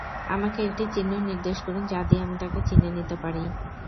আমাকে একটি চিহ্ন নির্দেশ করুন যা দিয়ে আমি তাকে চিনে নিতে পারব।